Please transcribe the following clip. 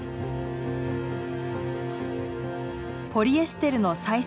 ポリエステルの再生